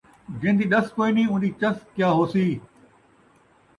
جین٘دی ݙس کوئینی، اون٘دی چس کیا ہوسی